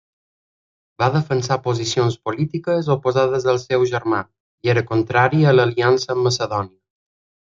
Va defensar posicions polítiques oposades al seu germà i era contrari a l'aliança amb Macedònia.